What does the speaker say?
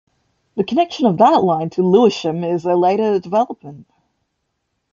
The connection of that line to Lewisham is a later development.